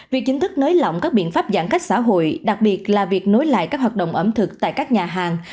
việc chính thức nới lỏng các biện pháp giãn cách xã hội đặc biệt là việc nối lại các hoạt động ẩm thực tại các nhà hàng